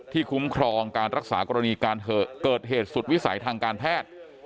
คุ้มครองการรักษากรณีการเกิดเหตุสุดวิสัยทางการแพทย์